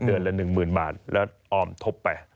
เดือนละ๑๐๐๐๐บาทแล้วออมทบไป